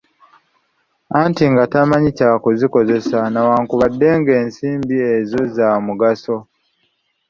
Anti nga tamanyi kya kuzikozesa newankubadde ng'ensimbi ezo za mugaso.